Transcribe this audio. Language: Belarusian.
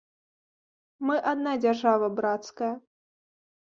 Мы адна дзяржава брацкая.